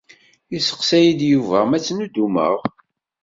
Yesteqsa-yi-d Yuba ma ttnuddumeɣ.